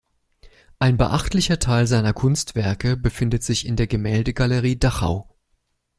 Ein beachtlicher Teil seiner Kunstwerke befindet sich in der Gemäldegalerie Dachau.